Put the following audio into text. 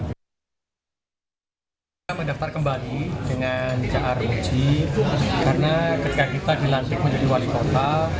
kita mendaftar kembali dengan jaar muji karena ketika kita dilantik menjadi wali kota